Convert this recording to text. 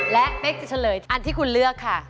และเป๊กจะเฉลยอันที่คุณเลือกค่ะ